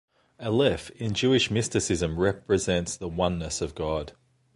Aleph, in Jewish mysticism, represents the oneness of God.